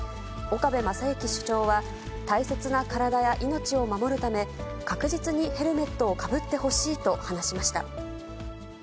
岡部誠幸署長は、大切な体や命を守るため、確実にヘルメットをかぶってほしいと話しました。